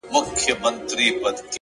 پرمختګ له پرلهپسې زده کړې ځواک اخلي؛